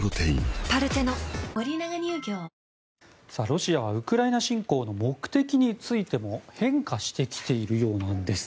ロシアはウクライナ侵攻の目的についても変化してきているようなんです。